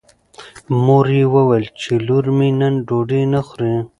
مور یې وویل چې لور مې نن ډوډۍ نه خوري.